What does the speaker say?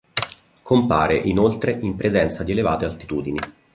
Compare, inoltre, in presenza di elevate altitudini.